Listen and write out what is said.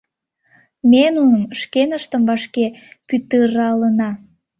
Ме нуным шкеныштым вашке пӱтыралына!